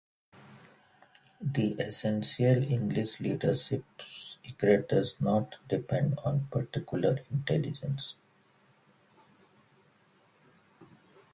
The essential English leadership secret does not depend on particular intelligence.